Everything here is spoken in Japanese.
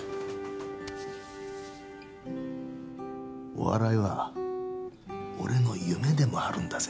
お笑いは俺の夢でもあるんだぜ？